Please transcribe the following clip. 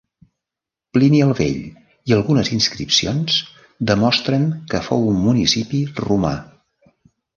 Plini el Vell i algunes inscripcions demostren que fou un municipi romà.